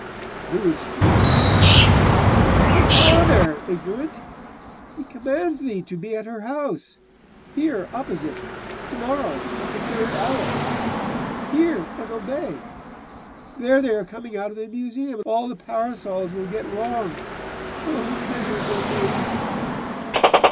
'Who is Theon?' 'Her father, ignorant! He commands thee to be at her house here opposite to morrow at the third hour. Hear and obey! There they are coming out of the Museum, and all the parasols will get wrong! Oh, miserable me!